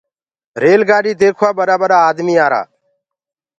ريل گآڏي ديکوآ ٻڏآ ڀڏآ آدمي آرآ۔